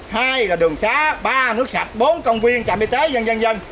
hai là đường xá ba là nước sạch bốn là công viên trạm y tế dân dân dân